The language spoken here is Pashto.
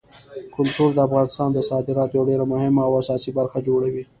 کلتور د افغانستان د صادراتو یوه ډېره مهمه او اساسي برخه جوړوي.